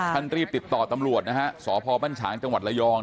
คันรีบติดต่อตำรวจสพบฉจังหวัดระยอง